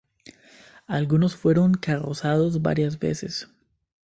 Algunos fueron carrozados varias veces.